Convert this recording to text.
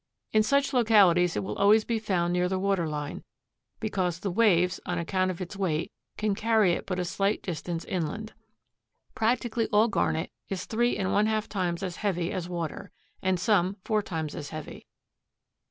In such localities it will always be found near the water line, because the waves, on account of its weight, can carry it but a slight distance inland. Practically all garnet is three and one half times as heavy as water, and some four times as heavy.